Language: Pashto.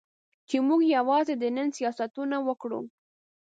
چې موږ یوازې د نن سیاستونه وکړو.